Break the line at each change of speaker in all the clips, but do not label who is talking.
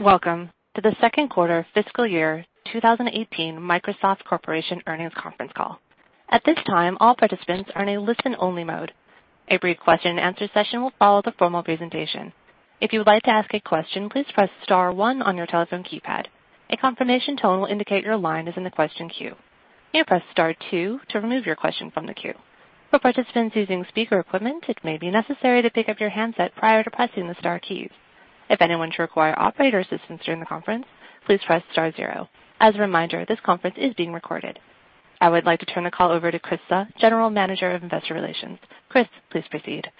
Welcome to the second quarter fiscal year 2018 Microsoft Corporation earnings conference call. At this time, all participants are in a listen-only mode. A brief question and answer session will follow the formal presentation. If you would like to ask a question, please press star one on your telephone keypad. A confirmation tone will indicate your line is in the question queue. You may press star two to remove your question from the queue. For participants using speaker equipment, it may be necessary to pick up your handset prior to pressing the star keys. If anyone should require operator assistance during the conference, please press star zero. As a reminder, this conference is being recorded. I would like to turn the call over to Chris Suh, General Manager of Investor Relations. Chris, please proceed.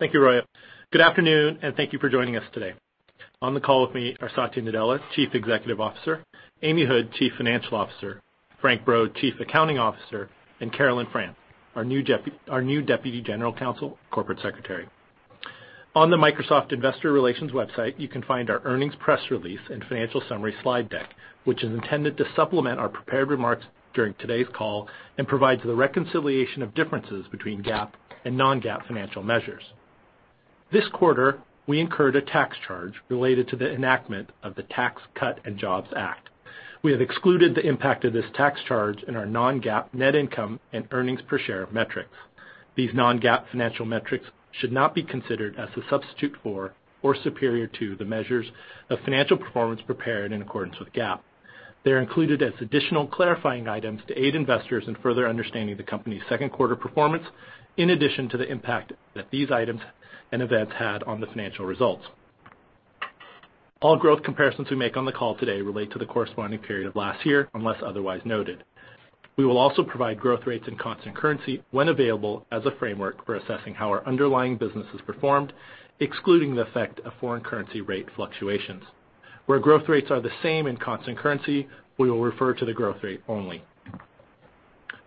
Thank you, Roya. Good afternoon. Thank you for joining us today. On the call with me are Satya Nadella, Chief Executive Officer, Amy Hood, Chief Financial Officer, Frank Brod, Chief Accounting Officer, and Carolyn Frantz, our new Deputy General Counsel, Corporate Secretary. On the Microsoft Investor Relations website, you can find our earnings press release and financial summary slide deck, which is intended to supplement our prepared remarks during today's call and provides the reconciliation of differences between GAAP and non-GAAP financial measures. This quarter, we incurred a tax charge related to the enactment of the Tax Cuts and Jobs Act. We have excluded the impact of this tax charge in our non-GAAP net income and earnings per share metrics. These non-GAAP financial metrics should not be considered as a substitute for or superior to the measures of financial performance prepared in accordance with GAAP. They're included as additional clarifying items to aid investors in further understanding the company's second quarter performance in addition to the impact that these items and events had on the financial results. All growth comparisons we make on the call today relate to the corresponding period of last year, unless otherwise noted. We will also provide growth rates in constant currency when available as a framework for assessing how our underlying business has performed, excluding the effect of foreign currency rate fluctuations. Where growth rates are the same in constant currency, we will refer to the growth rate only.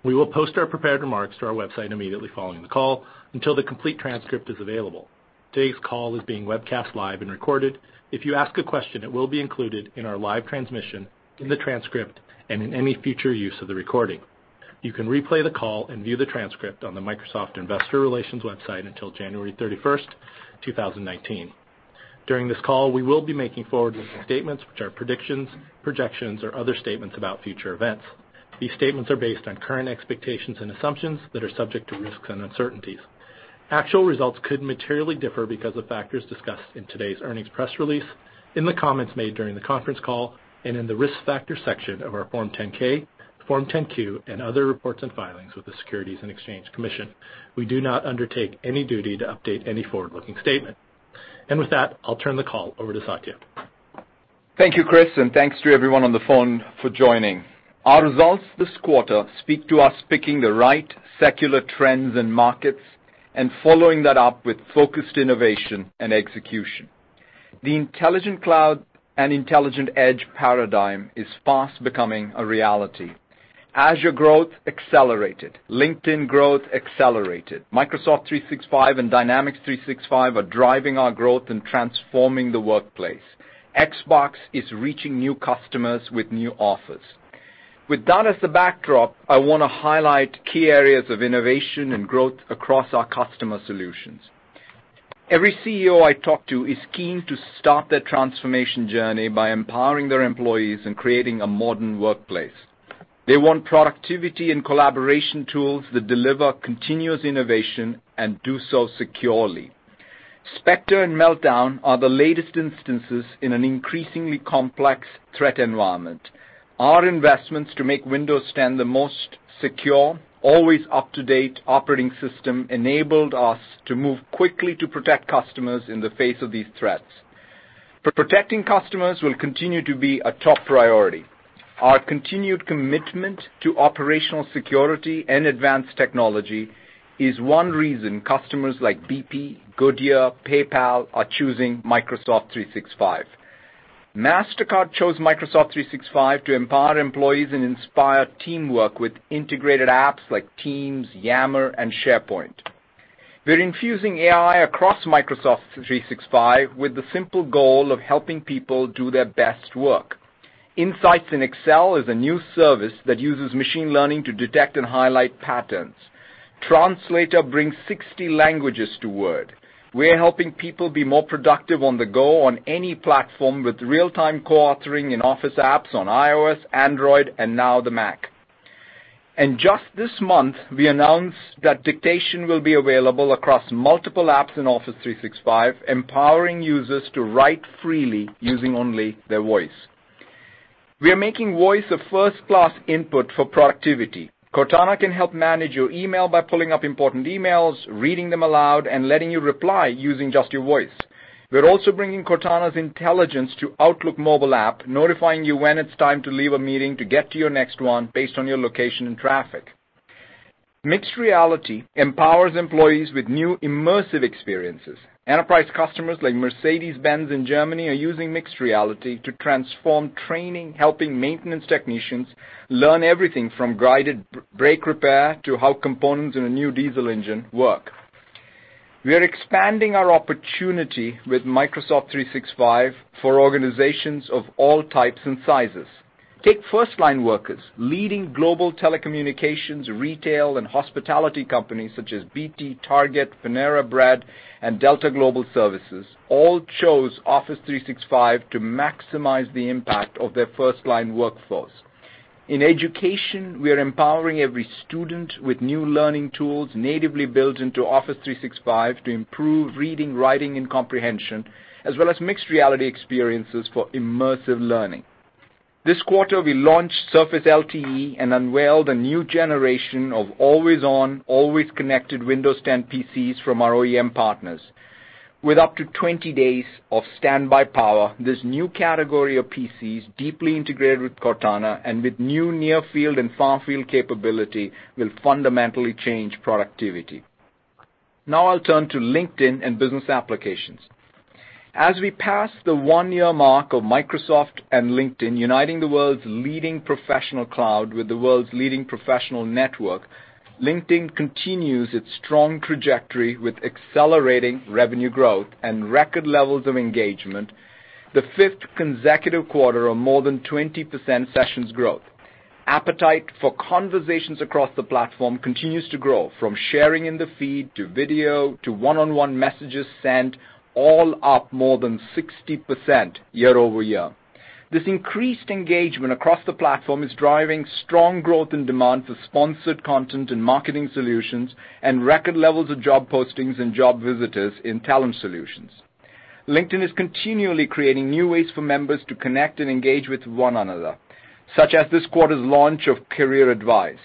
We will post our prepared remarks to our website immediately following the call until the complete transcript is available. Today's call is being webcast live and recorded. If you ask a question, it will be included in our live transmission, in the transcript, and in any future use of the recording. You can replay the call and view the transcript on the Microsoft investor relations website until January 31st, 2019. During this call, we will be making forward-looking statements, which are predictions, projections, or other statements about future events. These statements are based on current expectations and assumptions that are subject to risks and uncertainties. Actual results could materially differ because of factors discussed in today's earnings press release, in the comments made during the conference call, and in the risk factor section of our Form 10-K, Form 10-Q, and other reports and filings with the Securities and Exchange Commission. We do not undertake any duty to update any forward-looking statement. With that, I'll turn the call over to Satya.
Thank you, Chris, and thanks to everyone on the phone for joining. Our results this quarter speak to us picking the right secular trends and markets and following that up with focused innovation and execution. The Intelligent Cloud and Intelligent Edge paradigm is fast becoming a reality. Azure growth accelerated. LinkedIn growth accelerated. Microsoft 365 and Dynamics 365 are driving our growth and transforming the workplace. Xbox is reaching new customers with new offers. With that as the backdrop, I wanna highlight key areas of innovation and growth across our customer solutions. Every CEO I talk to is keen to start their transformation journey by empowering their employees and creating a modern workplace. They want productivity and collaboration tools that deliver continuous innovation and do so securely. Spectre and Meltdown are the latest instances in an increasingly complex threat environment. Our investments to make Windows the most secure, always up-to-date operating system enabled us to move quickly to protect customers in the face of these threats. Protecting customers will continue to be a top priority. Our continued commitment to operational security and advanced technology is one reason customers like BP, Goodyear, PayPal are choosing Microsoft 365. Mastercard chose Microsoft 365 to empower employees and inspire teamwork with integrated apps like Teams, Yammer, and SharePoint. We're infusing AI across Microsoft 365 with the simple goal of helping people do their best work. Insights in Excel is a new service that uses machine learning to detect and highlight patterns. Translator brings 60 languages to Word. We are helping people be more productive on the go on any platform with real-time co-authoring in Office apps on iOS, Android, and now the Mac. Just this month, we announced that dictation will be available across multiple apps in Office 365, empowering users to write freely using only their voice. We are making voice a first-class input for productivity. Cortana can help manage your email by pulling up important emails, reading them aloud, and letting you reply using just your voice. We're also bringing Cortana's intelligence to Outlook mobile app, notifying you when it's time to leave a meeting to get to your next one based on your location and traffic. Mixed reality empowers employees with new immersive experiences. Enterprise customers like Mercedes-Benz in Germany are using mixed reality to transform training, helping maintenance technicians learn everything from guided brake repair to how components in a new diesel engine work. We are expanding our opportunity with Microsoft 365 for organizations of all types and sizes. Take firstline workers. Leading global telecommunications, retail, and hospitality companies such as BT, Target, Panera Bread, and Delta Global Services all chose Office 365 to maximize the impact of their firstline workforce. In education, we are empowering every student with new learning tools natively built into Office 365 to improve reading, writing, and comprehension, as well as mixed reality experiences for immersive learning. This quarter we launched Surface LTE and unveiled a new generation of always on, always connected Windows 10 PCs from our OEM partners. With up to 20 days of standby power, this new category of PCs deeply integrated with Cortana and with new near-field and far-field capability will fundamentally change productivity. Now I'll turn to LinkedIn and business applications. As we pass the one-year mark of Microsoft and LinkedIn uniting the world's leading professional cloud with the world's leading professional network, LinkedIn continues its strong trajectory with accelerating revenue growth and record levels of engagement, the fifth consecutive quarter of more than 20% sessions growth. Appetite for conversations across the platform continues to grow from sharing in the feed, to video, to one-on-one messages sent, all up more than 60% year-over-year. This increased engagement across the platform is driving strong growth and demand for sponsored content and marketing solutions and record levels of job postings and job visitors in talent solutions. LinkedIn is continually creating new ways for members to connect and engage with one another, such as this quarter's launch of Career Advice.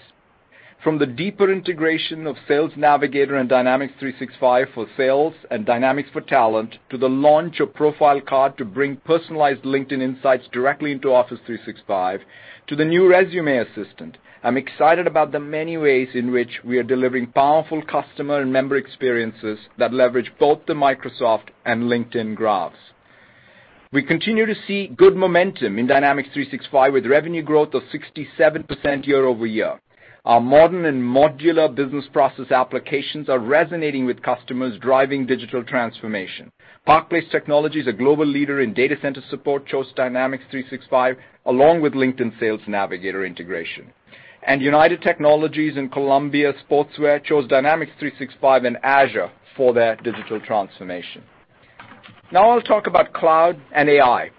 From the deeper integration of Sales Navigator and Dynamics 365 for Sales and Dynamics for Talent, to the launch of Profile Card to bring personalized LinkedIn insights directly into Office 365, to the new resume assistant, I'm excited about the many ways in which we are delivering powerful customer and member experiences that leverage both the Microsoft and LinkedIn graphs. We continue to see good momentum in Dynamics 365 with revenue growth of 67% year-over-year. Our modern and modular business process applications are resonating with customers driving digital transformation. Park Place Technologies, a global leader in data center support, chose Dynamics 365 along with LinkedIn Sales Navigator integration. United Technologies and Columbia Sportswear chose Dynamics 365 and Azure for their digital transformation. Now I'll talk about cloud and AI.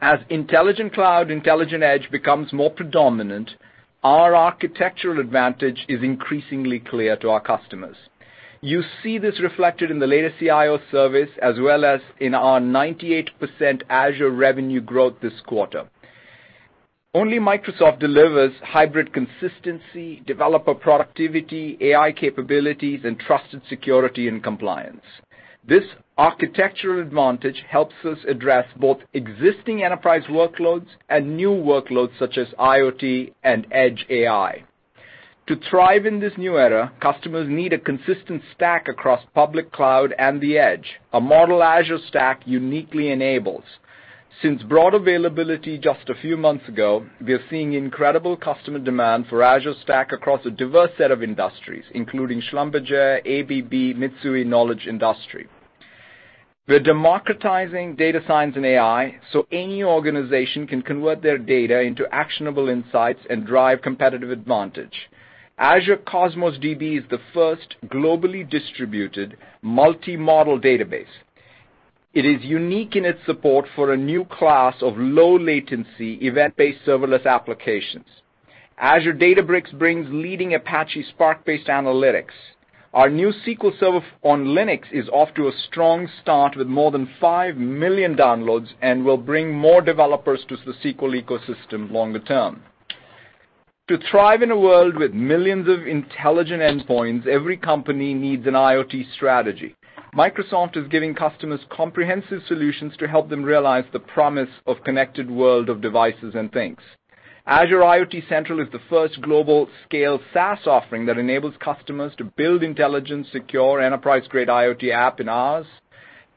As Intelligent Cloud, Intelligent Edge becomes more predominant, our architectural advantage is increasingly clear to our customers. You see this reflected in the latest CIO surveys as well as in our 98% Azure revenue growth this quarter. Only Microsoft delivers hybrid consistency, developer productivity, AI capabilities, and trusted security and compliance. This architectural advantage helps us address both existing enterprise workloads and new workloads such as IoT and edge AI. To thrive in this new era, customers need a consistent stack across public cloud and the edge, a model Azure Stack uniquely enables. Since broad availability just a few months ago, we are seeing incredible customer demand for Azure Stack across a diverse set of industries, including Schlumberger, ABB, Mitsui Knowledge Industry. We're democratizing data science and AI so any organization can convert their data into actionable insights and drive competitive advantage. Azure Cosmos DB is the first globally distributed multi-model database. It is unique in its support for a new class of low latency event-based serverless applications. Azure Databricks brings leading Apache Spark-based analytics. Our new SQL Server on Linux is off to a strong start with more than 5 million downloads and will bring more developers to the SQL ecosystem longer term. To thrive in a world with millions of intelligent endpoints, every company needs an IoT strategy. Microsoft is giving customers comprehensive solutions to help them realize the promise of connected world of devices and things. Azure IoT Central is the first global scale SaaS offering that enables customers to build intelligent, secure, enterprise-grade IoT app in hours.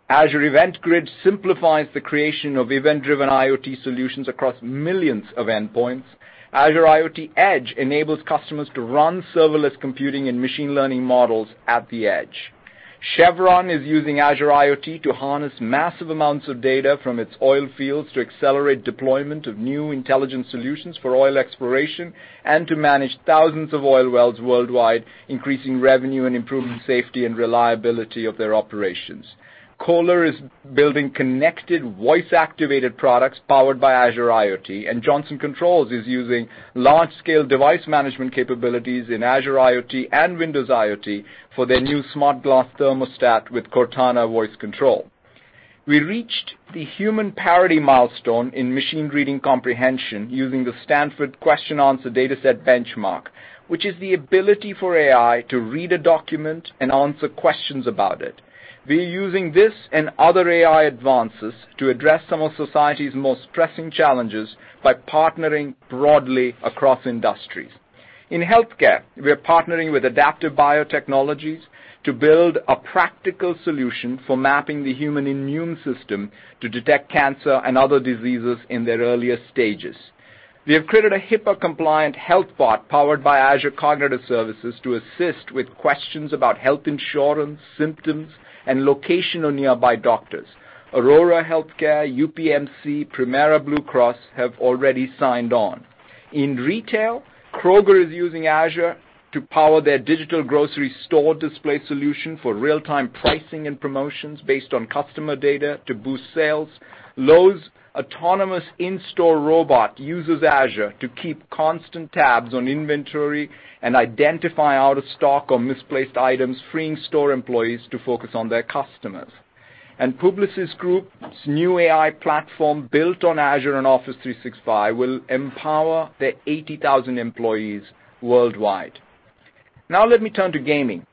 Azure Event Grid simplifies the creation of event-driven IoT solutions across millions of endpoints. Azure IoT Edge enables customers to run serverless computing and machine learning models at the edge. Chevron is using Azure IoT to harness massive amounts of data from its oil fields to accelerate deployment of new intelligent solutions for oil exploration and to manage 1000s of oil wells worldwide, increasing revenue and improving safety and reliability of their operations. Kohler is building connected voice-activated products powered by Azure IoT, and Johnson Controls is using large-scale device management capabilities in Azure IoT and Windows IoT for their new GLAS thermostat with Cortana voice control. We reached the human parity milestone in machine reading comprehension using the Stanford Question Answering Dataset Benchmark, which is the ability for AI to read a document and answer questions about it. We're using this and other AI advances to address some of society's most pressing challenges by partnering broadly across industries. In healthcare, we are partnering with Adaptive Biotechnologies to build a practical solution for mapping the human immune system to detect cancer and other diseases in their earliest stages. We have created a HIPAA-compliant health bot powered by Azure Cognitive Services to assist with questions about health insurance, symptoms, and location of nearby doctors. Aurora Health Care, UPMC, Premera Blue Cross have already signed on. In retail, Kroger is using Azure to power their digital grocery store display solution for real-time pricing and promotions based on customer data to boost sales. Lowe's autonomous in-store robot uses Azure to keep constant tabs on inventory and identify out-of-stock or misplaced items, freeing store employees to focus on their customers. Publicis Groupe's new AI platform built on Azure and Office 365 will empower their 80,000 employees worldwide. Let me turn to gaming.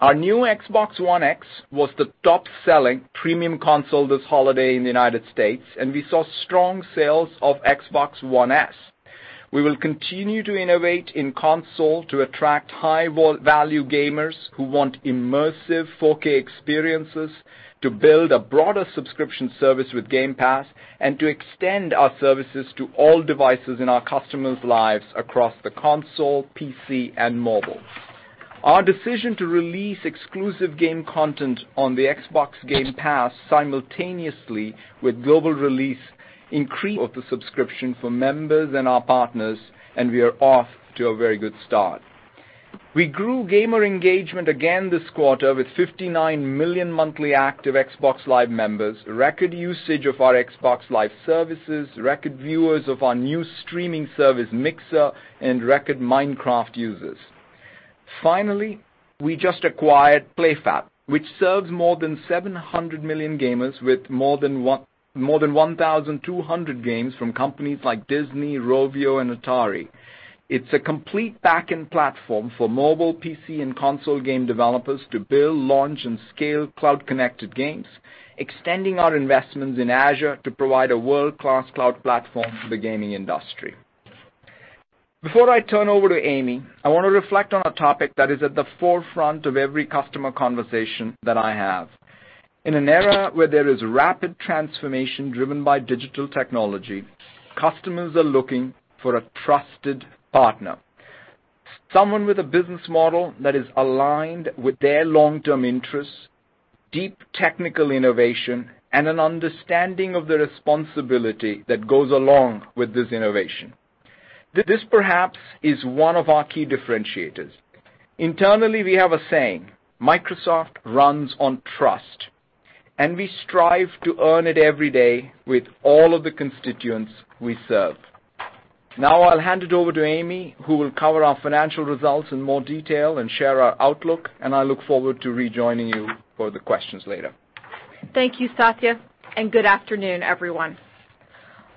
Our new Xbox One X was the top-selling premium console this holiday in the U.S. We saw strong sales of Xbox One S. We will continue to innovate in console to attract high-value gamers who want immersive 4K experiences to build a broader subscription service with Game Pass and to extend our services to all devices in our customers' lives across the console, PC, and mobile. Our decision to release exclusive game content on the Xbox Game Pass simultaneously with global release increased the subscription for members and our partners. We are off to a very good start. We grew gamer engagement again this quarter with 59 million monthly active Xbox Live members, record usage of our Xbox Live services, record viewers of our new streaming service, Mixer, and record Minecraft users. Finally, we just acquired PlayFab, which serves more than 700 million gamers with more than 1,200 games from companies like Disney, Rovio, and Atari. It's a complete backend platform for mobile, PC, and console game developers to build, launch, and scale cloud-connected games, extending our investments in Azure to provide a world-class cloud platform for the gaming industry. Before I turn over to Amy, I wanna reflect on a topic that is at the forefront of every customer conversation that I have. In an era where there is rapid transformation driven by digital technology, customers are looking for a trusted partner, someone with a business model that is aligned with their long-term interests, deep technical innovation, and an understanding of the responsibility that goes along with this innovation. This perhaps is one of our key differentiators. Internally, we have a saying, "Microsoft runs on trust." We strive to earn it every day with all of the constituents we serve. Now I'll hand it over to Amy, who will cover our financial results in more detail and share our outlook. I look forward to rejoining you for the questions later.
Thank you, Satya, and good afternoon, everyone.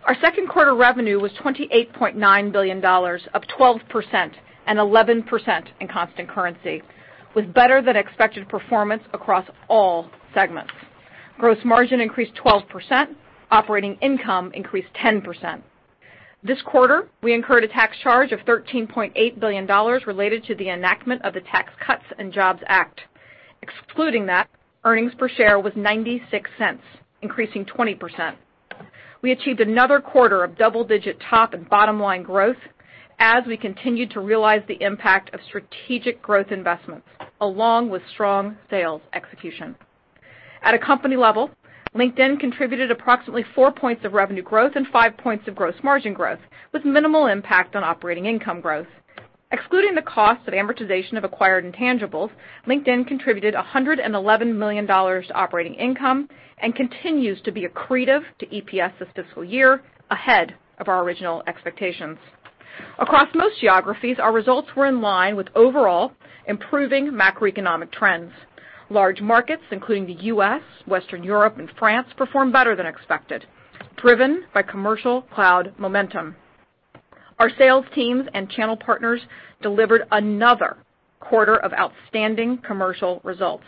Our second quarter revenue was $28.9 billion, up 12%, and 11% in constant currency, with better-than-expected performance across all segments. Gross margin increased 12%, operating income increased 10%. This quarter, we incurred a tax charge of $13.8 billion related to the enactment of the Tax Cuts and Jobs Act. Excluding that, earnings per share was $0.96, increasing 20%. We achieved another quarter of double-digit top and bottom-line growth as we continued to realize the impact of strategic growth investments along with strong sales execution. At a company level, LinkedIn contributed approximately four points of revenue growth and five points of gross margin growth with minimal impact on operating income growth. Excluding the cost of amortization of acquired intangibles, LinkedIn contributed $111 million to operating income and continues to be accretive to EPS this fiscal year ahead of our original expectations. Across most geographies, our results were in line with overall improving macroeconomic trends. Large markets, including the U.S., Western Europe, and France, performed better than expected, driven by commercial cloud momentum. Our sales teams and channel partners delivered another quarter of outstanding commercial results,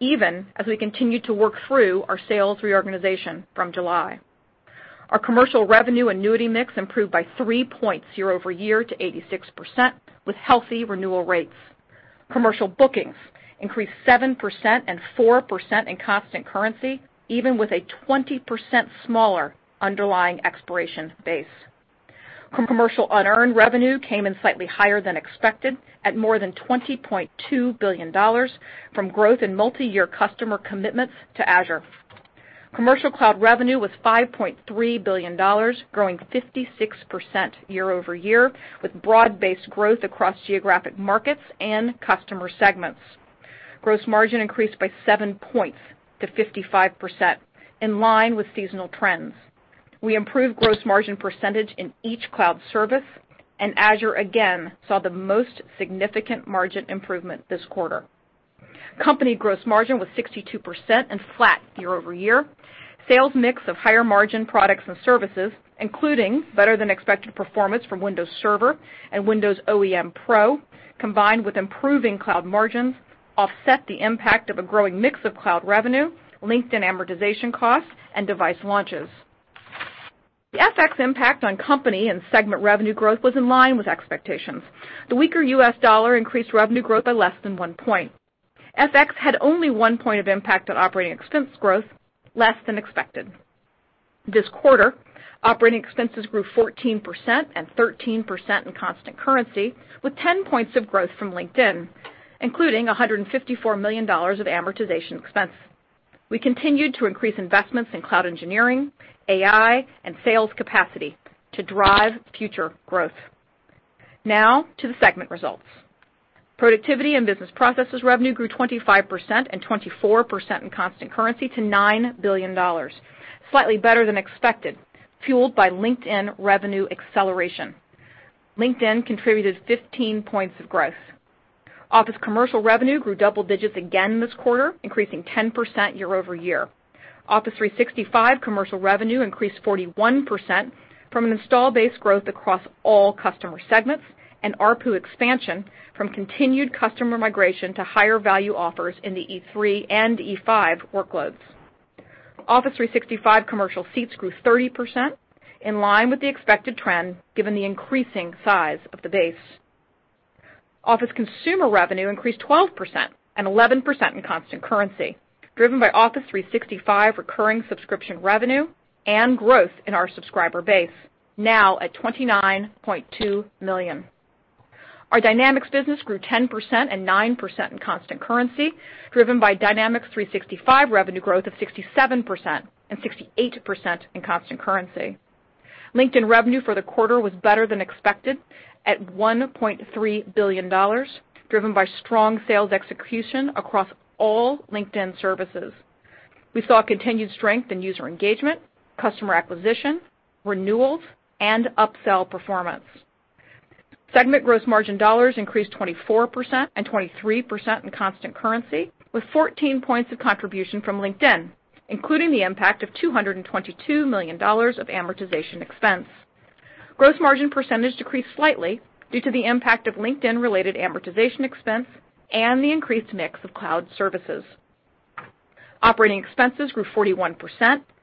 even as we continue to work through our sales reorganization from July. Our commercial revenue annuity mix improved by three points year-over-year to 86% with healthy renewal rates. Commercial bookings increased 7% and 4% in constant currency, even with a 20% smaller underlying expiration base. Commercial unearned revenue came in slightly higher than expected at more than $20.2 billion from growth in multiyear customer commitments to Azure. Commercial cloud revenue was $5.3 billion, growing 56% year-over-year with broad-based growth across geographic markets and customer segments. Gross margin increased by seven points to 55% in line with seasonal trends. We improved gross margin percentage in each cloud service, and Azure again saw the most significant margin improvement this quarter. Company gross margin was 62% and flat year-over-year. Sales mix of higher margin products and services, including better than expected performance from Windows Server and Windows OEM Pro, combined with improving cloud margins, offset the impact of a growing mix of cloud revenue, LinkedIn amortization costs, and device launches. The FX impact on company and segment revenue growth was in line with expectations. The weaker U.S. dollar increased revenue growth by less than one point. FX had only one point of impact on operating expense growth, less than expected. This quarter, operating expenses grew 14% and 13% in constant currency with 10 points of growth from LinkedIn, including $154 million of amortization expense. We continued to increase investments in cloud engineering, AI, and sales capacity to drive future growth. To the segment results. Productivity and Business Processes revenue grew 25% and 24% in constant currency to $9 billion. Slightly better than expected, fueled by LinkedIn revenue acceleration. LinkedIn contributed 15 points of growth. Office commercial revenue grew double digits again this quarter, increasing 10% year-over-year. Office 365 commercial revenue increased 41% from an install base growth across all customer segments and ARPU expansion from continued customer migration to higher value offers in the E3 and E5 workloads. Office 365 commercial seats grew 30% in line with the expected trend given the increasing size of the base. Office consumer revenue increased 12% and 11% in constant currency, driven by Office 365 recurring subscription revenue and growth in our subscriber base, now at 29.2 million. Our Dynamics business grew 10% and 9% in constant currency, driven by Dynamics 365 revenue growth of 67% and 68% in constant currency. LinkedIn revenue for the quarter was better than expected at $1.3 billion, driven by strong sales execution across all LinkedIn services. We saw continued strength in user engagement, customer acquisition, renewals, and upsell performance. Segment gross margin dollars increased 24% and 23% in constant currency, with 14 points of contribution from LinkedIn, including the impact of $222 million of amortization expense. Gross margin % decreased slightly due to the impact of LinkedIn-related amortization expense and the increased mix of cloud services. Operating expenses grew 41%,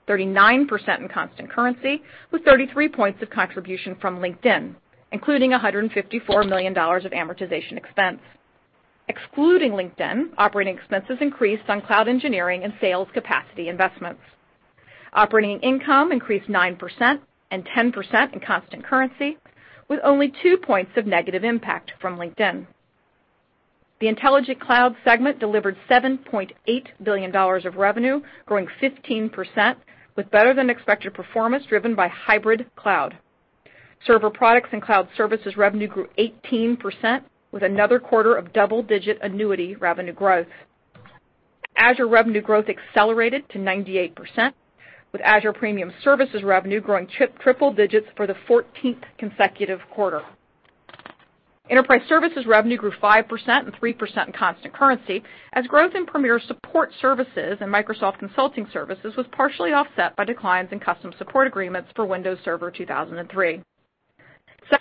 39% in constant currency, with 33 points of contribution from LinkedIn, including $154 million of amortization expense. Excluding LinkedIn, operating expenses increased on cloud engineering and sales capacity investments. Operating income increased 9% and 10% in constant currency, with only two points of negative impact from LinkedIn. The Intelligent Cloud segment delivered $7.8 billion of revenue, growing 15% with better than expected performance driven by hybrid cloud. Server products and cloud services revenue grew 18% with another quarter of double-digit annuity revenue growth. Azure revenue growth accelerated to 98%, with Azure premium services revenue growing triple digits for the 14th consecutive quarter. Enterprise services revenue grew 5% and 3% in constant currency as growth in premier support services and Microsoft Consulting Services was partially offset by declines in custom support agreements for Windows Server 2003.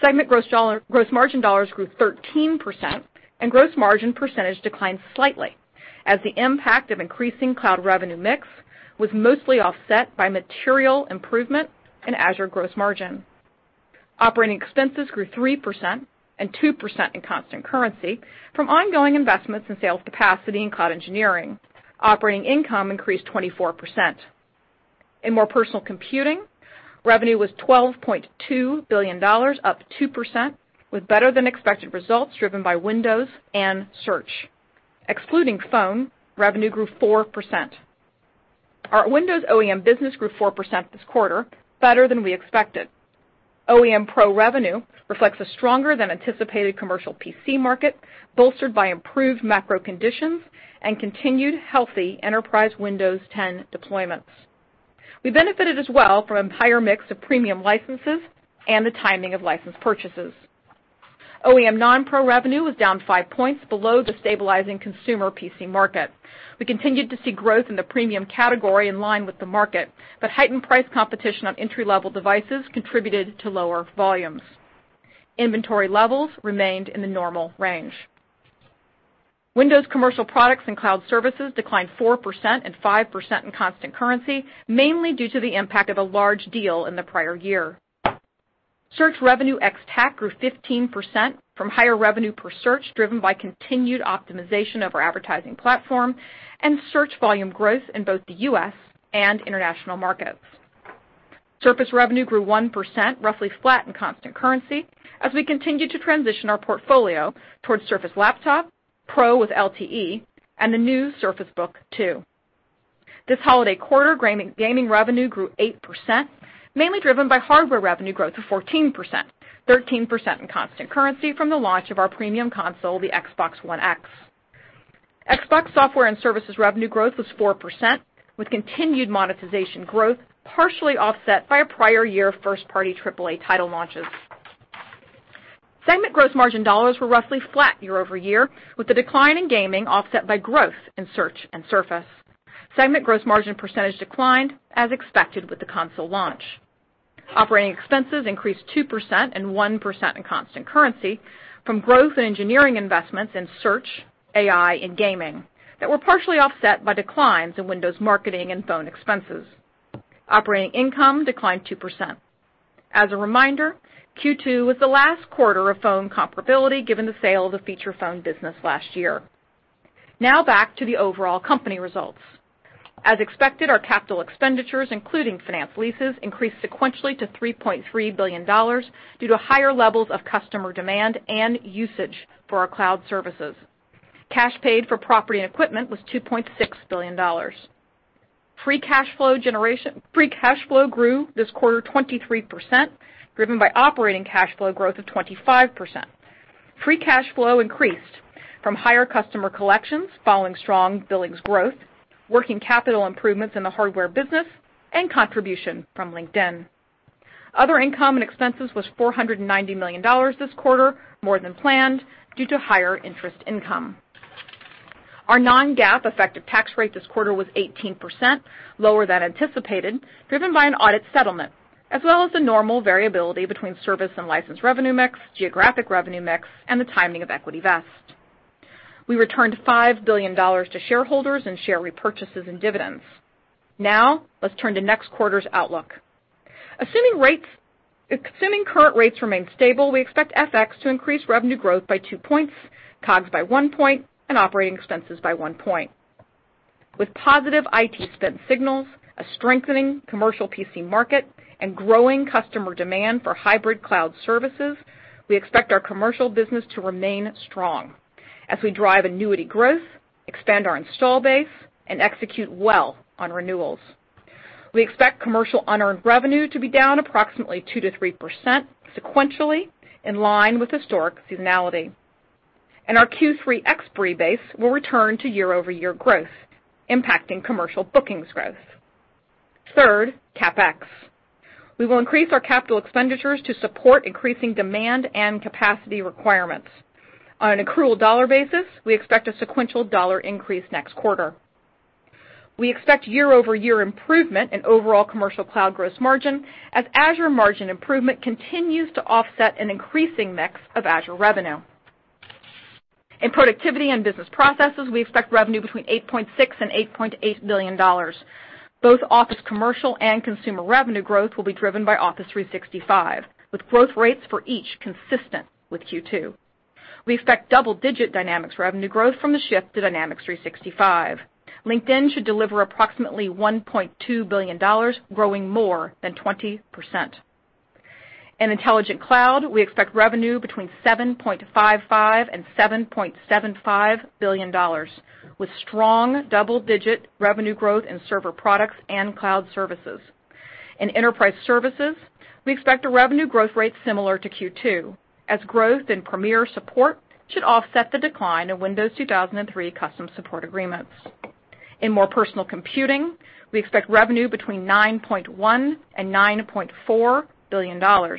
Segment gross margin dollars grew 13% and gross margin percentage declined slightly as the impact of increasing cloud revenue mix was mostly offset by material improvement in Azure gross margin. Operating expenses grew 3% and 2% in constant currency from ongoing investments in sales capacity and cloud engineering. Operating income increased 24%. In More Personal Computing, revenue was $12.2 billion, up 2% with better than expected results driven by Windows and Search. Excluding Phone, revenue grew 4%. Our Windows OEM business grew 4% this quarter, better than we expected. OEM Pro revenue reflects a stronger than anticipated commercial PC market bolstered by improved macro conditions and continued healthy enterprise Windows 10 deployments. We benefited as well from a higher mix of premium licenses and the timing of license purchases. OEM non-Pro revenue was down five points below the stabilizing consumer PC market. We continued to see growth in the premium category in line with the market, but heightened price competition on entry-level devices contributed to lower volumes. Inventory levels remained in the normal range. Windows commercial products and cloud services declined 4% and 5% in constant currency, mainly due to the impact of a large deal in the prior year. Search revenue ex-TAC grew 15% from higher revenue per search, driven by continued optimization of our advertising platform and search volume growth in both the U.S. and international markets. Surface revenue grew 1%, roughly flat in constant currency, as we continued to transition our portfolio towards Surface Laptop, Pro with LTE, and the new Surface Book 2. This holiday quarter, gaming revenue grew 8%, mainly driven by hardware revenue growth of 14%, 13% in constant currency from the launch of our premium console, the Xbox One X. Xbox software and services revenue growth was 4%, with continued monetization growth partially offset by a prior year first-party AAA title launches. Segment gross margin dollars were roughly flat year-over-year, with the decline in gaming offset by growth in Search and Surface. Segment gross margin % declined as expected with the console launch. Operating expenses increased 2% and 1% in constant currency from growth in engineering investments in Search, AI, and gaming that were partially offset by declines in Windows marketing and phone expenses. Operating income declined 2%. As a reminder, Q2 was the last quarter of phone comparability, given the sale of the feature phone business last year. Now back to the overall company results. As expected, our capital expenditures, including finance leases, increased sequentially to $3.3 billion due to higher levels of customer demand and usage for our cloud services. Cash paid for property and equipment was $2.6 billion. Free cash flow grew this quarter 23%, driven by operating cash flow growth of 25%. Free cash flow increased from higher customer collections following strong billings growth, working capital improvements in the hardware business, and contribution from LinkedIn. Other income and expenses was $490 million this quarter, more than planned due to higher interest income. Our non-GAAP effective tax rate this quarter was 18%, lower than anticipated, driven by an audit settlement, as well as the normal variability between service and license revenue mix, geographic revenue mix, and the timing of equity vest. We returned $5 billion to shareholders in share repurchases and dividends. Let's turn to next quarter's outlook. Assuming current rates remain stable, we expect FX to increase revenue growth by two points, COGS by one point, and operating expenses by one point. With positive IT spend signals, a strengthening commercial PC market, and growing customer demand for hybrid cloud services, we expect our commercial business to remain strong as we drive annuity growth, expand our install base, and execute well on renewals. We expect commercial unearned revenue to be down approximately 2%-3% sequentially in line with historic seasonality. Our Q3 EA expiry base will return to year-over-year growth, impacting commercial bookings growth. Third, CapEx. We will increase our capital expenditures to support increasing demand and capacity requirements. On an accrual dollar basis, we expect a sequential dollar increase next quarter. We expect year-over-year improvement in overall commercial cloud gross margin as Azure margin improvement continues to offset an increasing mix of Azure revenue. In Productivity and Business Processes, we expect revenue between $8.6 billion-$8.8 billion. Both Office commercial and consumer revenue growth will be driven by Office 365, with growth rates for each consistent with Q2. We expect double-digit Dynamics revenue growth from the shift to Dynamics 365. LinkedIn should deliver approximately $1.2 billion, growing more than 20%. In Intelligent Cloud, we expect revenue between $7.55 billion-$7.75 billion, with strong double-digit revenue growth in server products and cloud services. In Enterprise Services, we expect a revenue growth rate similar to Q2 as growth in Premier Support should offset the decline of Windows Server 2003 custom support agreements. In More Personal Computing, we expect revenue between $9.1 billion and $9.4 billion.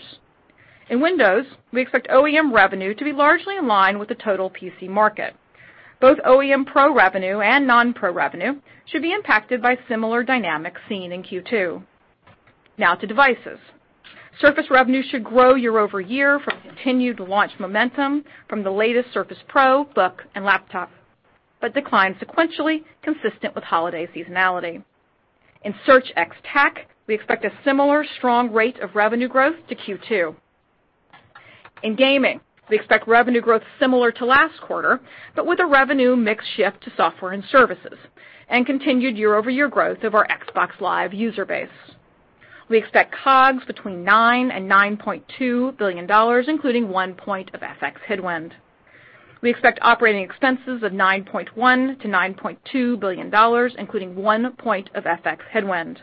In Windows, we expect OEM revenue to be largely in line with the total PC market. Both OEM Pro revenue and non-Pro revenue should be impacted by similar dynamics seen in Q2. Now to Devices. Surface revenue should grow year-over-year from continued launch momentum from the latest Surface Pro, Book, and Laptop, but decline sequentially consistent with holiday seasonality. In Search ex-TAC, we expect a similar strong rate of revenue growth to Q2. In gaming, we expect revenue growth similar to last quarter, but with a revenue mix shift to software and services and continued year-over-year growth of our Xbox Live user base. We expect COGS between $9 billion and $9.2 billion, including one point of FX headwind. We expect operating expenses of $9.1 billion-$9.2 billion, including one point of FX headwind.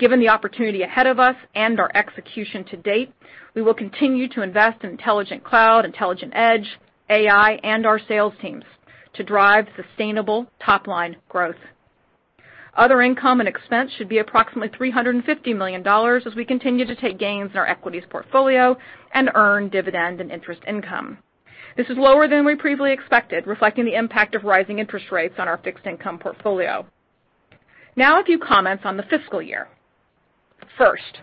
Given the opportunity ahead of us and our execution to date, we will continue to invest in Intelligent Cloud, Intelligent Edge, AI, and our sales teams to drive sustainable top-line growth. Other income and expense should be approximately $350 million as we continue to take gains in our equities portfolio and earn dividend and interest income. This is lower than we previously expected, reflecting the impact of rising interest rates on our fixed income portfolio. A few comments on the fiscal year. First,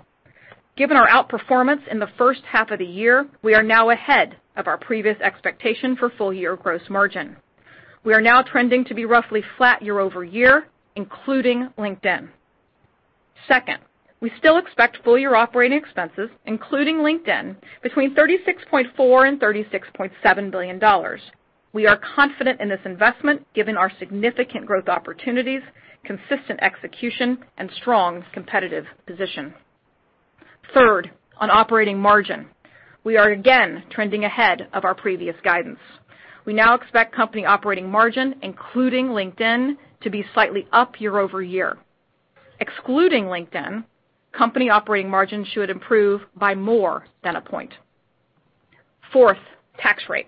given our outperformance in the first half of the year, we are now ahead of our previous expectation for full year gross margin. We are now trending to be roughly flat year-over-year, including LinkedIn. We still expect full year operating expenses, including LinkedIn, between $36.4 billion and $36.7 billion. We are confident in this investment given our significant growth opportunities, consistent execution, and strong competitive position. On operating margin, we are again trending ahead of our previous guidance. We now expect company operating margin, including LinkedIn, to be slightly up year-over-year. Excluding LinkedIn, company operating margin should improve by more than a point. Tax rate.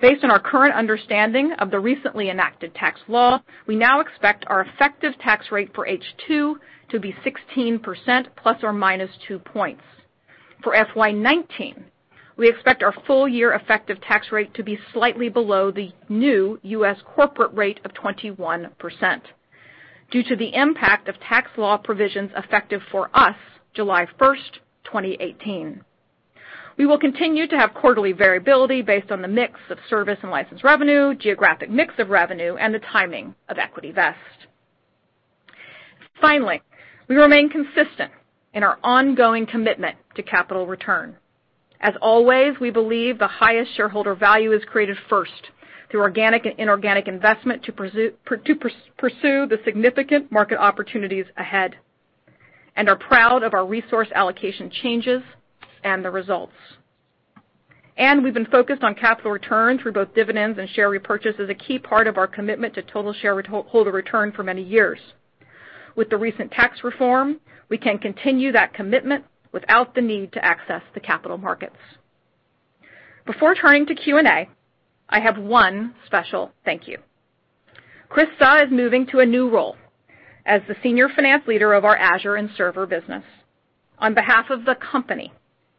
Based on our current understanding of the recently enacted tax law, we now expect our effective tax rate for H2 to be 16% ±2 points. For FY 2019, we expect our full year effective tax rate to be slightly below the new U.S. corporate rate of 21% due to the impact of tax law provisions effective for us July 1st, 2018. We will continue to have quarterly variability based on the mix of service and license revenue, geographic mix of revenue, and the timing of equity vest. Finally, we remain consistent in our ongoing commitment to capital return. As always, we believe the highest shareholder value is created first through organic and inorganic investment to pursue the significant market opportunities ahead and are proud of our resource allocation changes and the results. We've been focused on capital returns for both dividends and share repurchase as a key part of our commitment to total shareholder return for many years. With the recent tax reform, we can continue that commitment without the need to access the capital markets. Before turning to Q&A, I have one special thank you. Chris Suh is moving to a new role as the Senior Finance Leader of our Azure and Server business. On behalf of the company,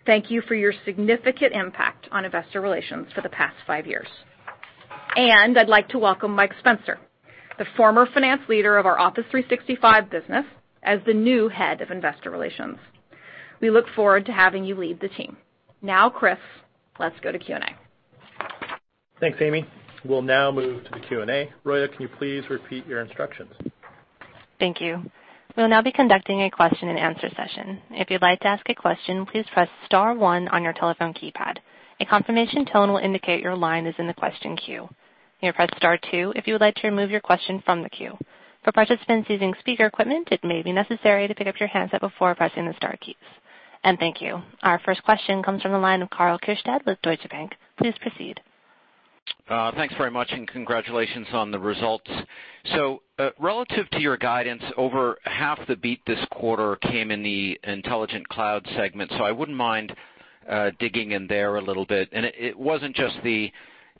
thank you for your significant impact on Investor Relations for the past five years. I'd like to welcome Mike Spencer, the former finance leader of our Office 365 business, as the new Head of Investor Relations. We look forward to having you lead the team. Chris, let's go to Q&A.
Thanks, Amy. We'll now move to the Q&A. Roya, can you please repeat your instructions?
Thank you. We'll now be conducting a question-and-answer session. If you'd like to ask a question, please press star one on your telephone keypad. A confirmation tone will indicate your line is in the question queue. You may press star two if you would like to remove your question from the queue. For participants using speaker equipment, it may be necessary to pick up your handset before pressing the star keys. Thank you. Our first question comes from the line of Karl Keirstead with Deutsche Bank. Please proceed.
Thanks very much, and congratulations on the results. Relative to your guidance, over half the beat this quarter came in the Intelligent Cloud segment, so I wouldn't mind digging in there a little bit. It wasn't just the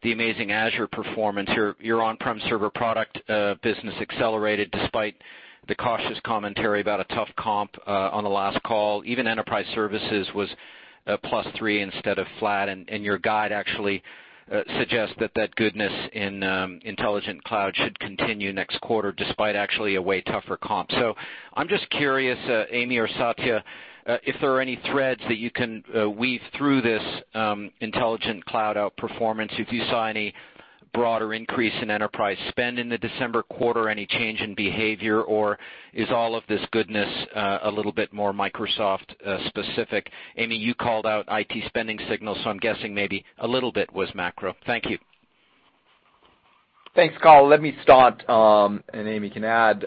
amazing Azure performance. Your on-prem server product business accelerated despite the cautious commentary about a tough comp on the last call. Even enterprise services was +3 instead of flat, and your guide actually suggests that that goodness in Intelligent Cloud should continue next quarter despite actually a way tougher comp. I'm just curious, Amy or Satya, if there are any threads that you can weave through this Intelligent Cloud outperformance, if you saw any broader increase in enterprise spend in the December quarter, any change in behavior, or is all of this goodness a little bit more Microsoft specific? Amy, you called out IT spending signals, so I'm guessing maybe a little bit was macro. Thank you.
Thanks, Karl. Let me start, and Amy can add.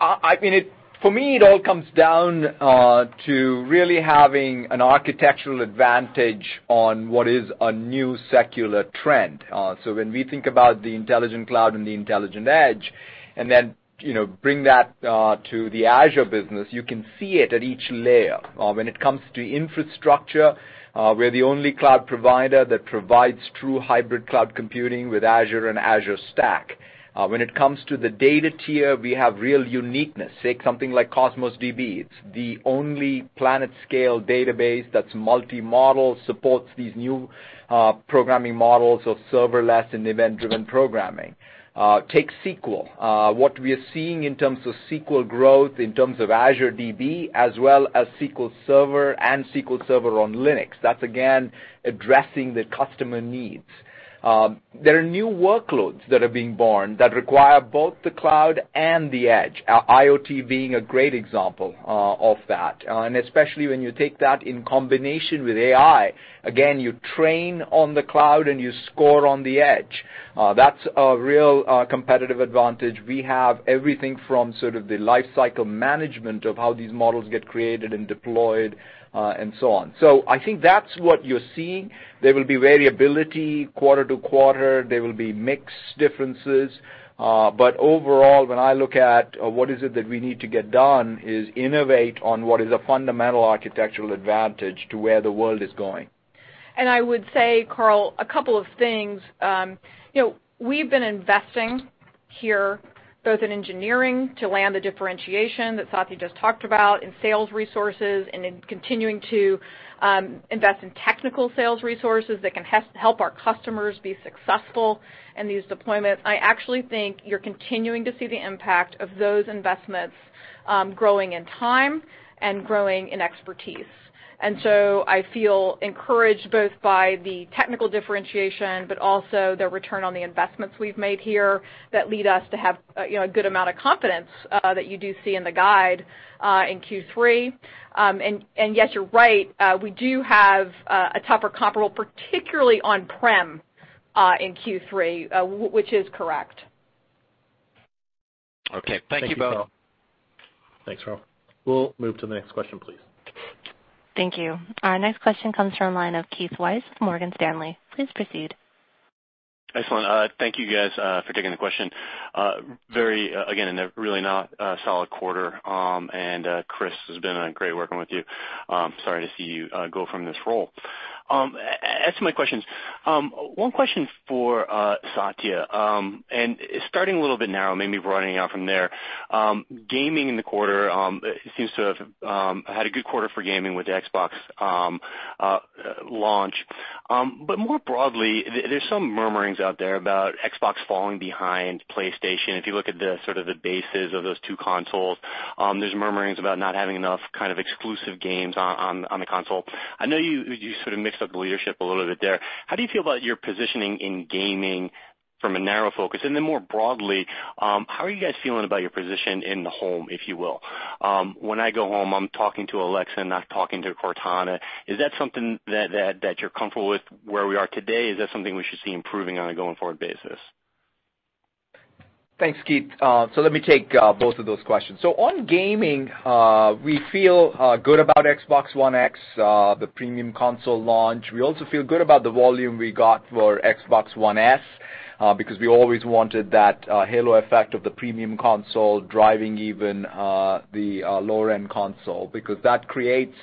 I mean, for me, it all comes down to really having an architectural advantage on what is a new secular trend. When we think about the Intelligent Cloud and the Intelligent Edge, and then, you know, bring that to the Azure business, you can see it at each layer. When it comes to infrastructure, we're the only cloud provider that provides true hybrid cloud computing with Azure and Azure Stack. When it comes to the data tier, we have real uniqueness. Say, something like Cosmos DB. It's the only planet-scale database that's multi-model, supports these new programming models of serverless and event-driven programming. Take SQL. What we are seeing in terms of SQL growth, in terms of Azure DB, as well as SQL Server and SQL Server on Linux, that's again addressing the customer needs. There are new workloads that are being born that require both the cloud and the edge, IoT being a great example of that, and especially when you take that in combination with AI. Again, you train on the cloud, and you score on the edge. That's a real competitive advantage. We have everything from sort of the lifecycle management of how these models get created and deployed, and so on. I think that's what you're seeing. There will be variability quarter to quarter. There will be mix differences. Overall, when I look at, what is it that we need to get done is innovate on what is a fundamental architectural advantage to where the world is going.
I would say, Karl, a couple of things. You know, we've been investing here both in engineering to land the differentiation that Satya just talked about, in sales resources and in continuing to invest in technical sales resources that can help our customers be successful in these deployments. I actually think you're continuing to see the impact of those investments growing in time and growing in expertise. I feel encouraged both by the technical differentiation, but also the return on the investments we've made here that lead us to have, you know, a good amount of confidence that you do see in the guide in Q3. Yes, you're right, we do have a tougher comparable, particularly on-prem, in Q3, which is correct.
Okay. Thank you both.
Thanks, Karl. We'll move to the next question, please.
Thank you. Our next question comes from line of Keith Weiss with Morgan Stanley. Please proceed.
Excellent. Thank you guys for taking the question. Very again, a really not a solid quarter. Chris, it's been great working with you. Sorry to see you go from this role. To my questions. One question for Satya, and starting a little bit narrow, maybe running out from there. Gaming in the quarter, it seems to have had a good quarter for gaming with the Xbox launch. More broadly, there's some murmurings out there about Xbox falling behind PlayStation. If you look at the, sort of the bases of those two consoles, there's murmurings about not having enough kind of exclusive games on the console. I know you sort of mixed up the leadership a little bit there. How do you feel about your positioning in gaming from a narrow focus? Then more broadly, how are you guys feeling about your position in the home, if you will? When I go home, I'm talking to Alexa, not talking to Cortana. Is that something that you're comfortable with where we are today? Is that something we should see improving on a going forward basis?
Thanks, Keith. Let me take both of those questions. On gaming, we feel good about Xbox One X, the premium console launch. We also feel good about the volume we got for Xbox One S, because we always wanted that halo effect of the premium console driving even the lower-end console because that creates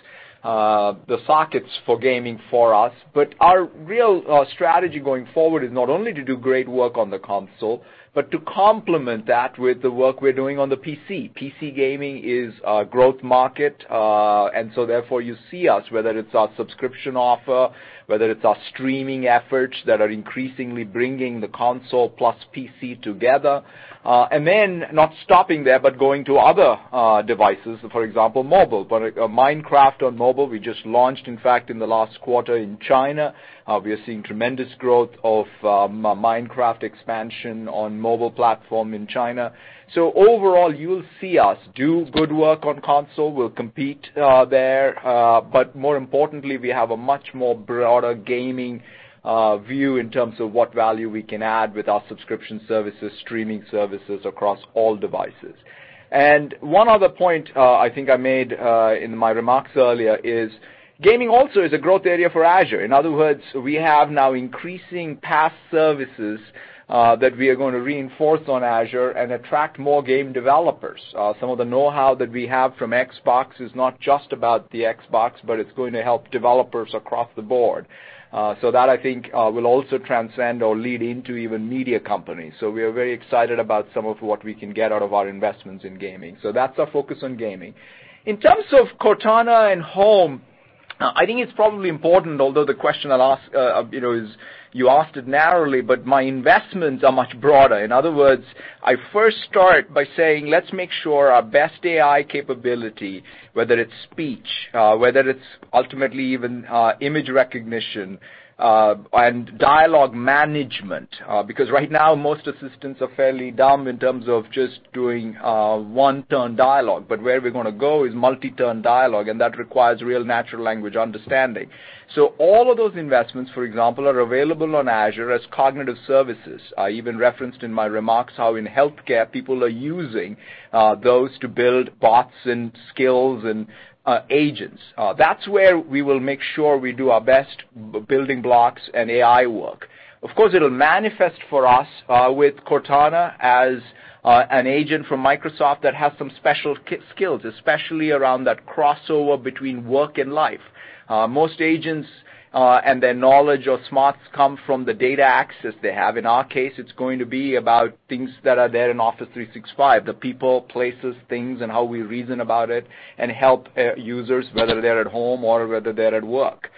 the sockets for gaming for us. Our real strategy going forward is not only to do great work on the console but to complement that with the work we're doing on the PC. PC gaming is a growth market, therefore you see us, whether it's our subscription offer, whether it's our streaming efforts that are increasingly bringing the console plus PC together. Not stopping there but going to other devices, for example, mobile. Minecraft on mobile we just launched, in fact, in the last quarter in China. We are seeing tremendous growth of Minecraft expansion on mobile platform in China. Overall, you'll see us do good work on console. We'll compete there. More importantly, we have a much more broader gaming view in terms of what value we can add with our subscription services, streaming services across all devices. One other point I think I made in my remarks earlier is gaming also is a growth area for Azure. In other words, we have now increasing PaaS services that we are gonna reinforce on Azure and attract more game developers. Some of the know-how that we have from Xbox is not just about the Xbox, but it's going to help developers across the board. That I think will also transcend or lead into even media companies. We are very excited about some of what we can get out of our investments in gaming. That's our focus on gaming. In terms of Cortana and Home, I think it's probably important, although the question I'll ask, you know, is you asked it narrowly, but my investments are much broader. In other words, I first start by saying, let's make sure our best AI capability, whether it's speech, whether it's ultimately even, image recognition, and dialogue management, because right now most assistants are fairly dumb in terms of just doing one-turn dialogue. Where we're gonna go is multi-turn dialogue, and that requires real natural language understanding. All of those investments, for example, are available on Azure as Cognitive Services. I even referenced in my remarks how in healthcare people are using those to build bots and skills and agents. That's where we will make sure we do our best building blocks and AI work. Of course, it'll manifest for us with Cortana as an agent from Microsoft that has some special skills, especially around that crossover between work and life. Most agents and their knowledge or smarts come from the data access they have. In our case, it's going to be about things that are there in Office 365, the people, places, things, and how we reason about it and help users, whether they're at home or whether they're at work.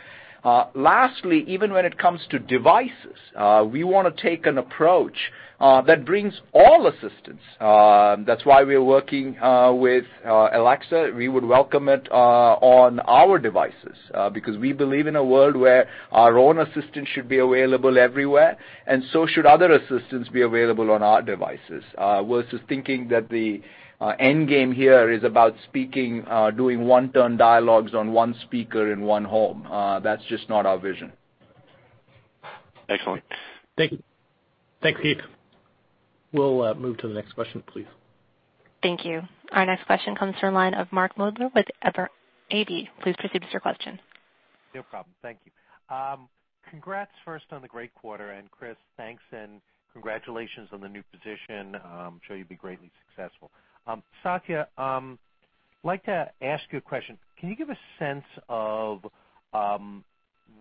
Lastly, even when it comes to devices, we wanna take an approach that brings all assistants. That's why we're working with Alexa. We would welcome it on our devices because we believe in a world where our own assistant should be available everywhere, and so should other assistants be available on our devices versus thinking that the end game here is about speaking, doing one-turn dialogues on one speaker in one home. That's just not our vision.
Excellent.
Thank you. Thanks, Keith. We'll move to the next question, please.
Thank you. Our next question comes from line of Mark Moerdler with Ever AB. Please proceed with your question.
No problem. Thank you. Congrats first on the great quarter, and Chris, thanks and congratulations on the new position. I'm sure you'll be greatly successful. Satya, I'd like to ask you a question. Can you give a sense of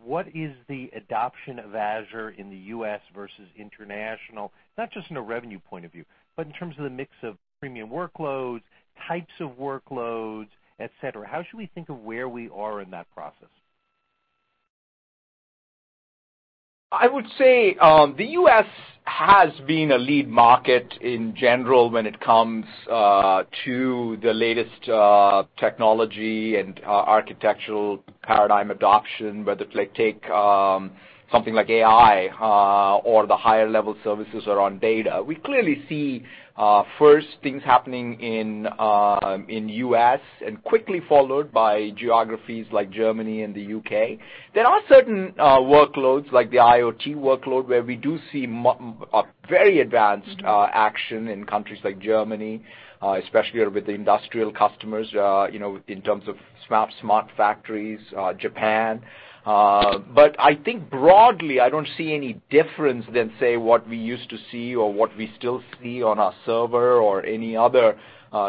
what is the adoption of Azure in the U.S. versus international, not just in a revenue point of view, but in terms of the mix of premium workloads, types of workloads, et cetera? How should we think of where we are in that process?
I would say, the U.S. has been a lead market in general when it comes to the latest technology and architectural paradigm adoption, whether they take something like AI or the higher-level services around data. We clearly see first things happening in the U.S. and quickly followed by geographies like Germany and the U.K. There are certain workloads like the IoT workload, where we do see very advanced action in countries like Germany, especially with the industrial customers, you know, in terms of smart factories, Japan. I think broadly, I don't see any difference than, say, what we used to see or what we still see on our server or any other